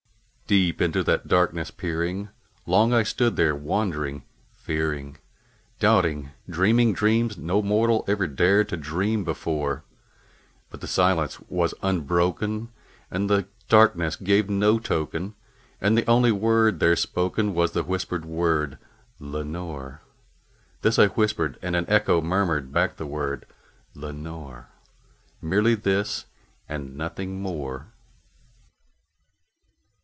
Deep into that darkness peering, long I stood there wondering, fearing, Doubting, dreaming dreams no mortal ever dared to dream before; But the silence was unbroken, and the darkness gave no token, And the only word there spoken was the whispered word, "Lenore!" This I whispered, and an echo murmured back the word, "Lenore!" Merely this and nothing more.